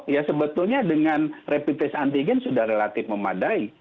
ya sebetulnya dengan rapid test antigen sudah relatif memadai